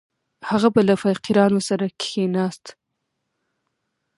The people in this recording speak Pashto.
هغه به له فقیرانو سره کښېناست.